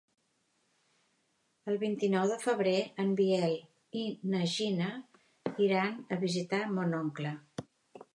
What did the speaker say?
El vint-i-nou de febrer en Biel i na Gina iran a visitar mon oncle.